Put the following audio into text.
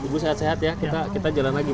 ibu sehat sehat ya kita jalan lagi